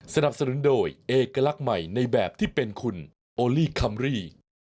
สนับสนุนโดยเอกลักษณ์ใหม่ในแบบที่เป็นคุณโอลี่คัมรี่